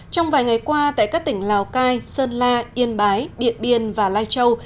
trong vài ngày qua tại các tỉnh lào cai sơn la yên bái điện biên và lai châu